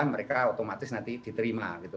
mereka otomatis nanti diterima gitu